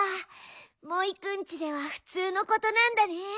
モイくんちではふつうのことなんだね。